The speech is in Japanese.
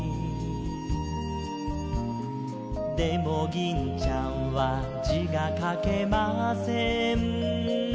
「でも銀ちゃんは字が書けません」